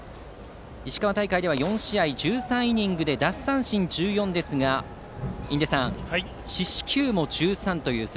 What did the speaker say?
石川大会では４試合１３イニングで奪三振１４ですが印出さん、四死球も１３でした。